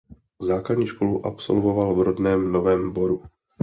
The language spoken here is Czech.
Základní školu absolvoval v rodném Novém Boru.